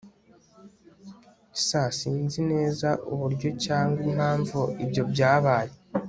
S Sinzi neza uburyo cyangwa impamvu ibyo byabaye